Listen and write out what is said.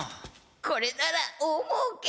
これならおおもうけ。